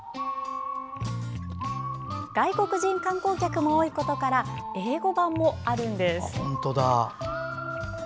外国人観光客も多いことから英語版もあるんです。